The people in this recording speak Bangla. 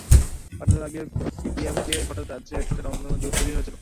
পাঁচ বছর আগে সিপিএমকে হঠাতে রাজ্যে একটা রংধনু জোট তৈরি হয়েছিল।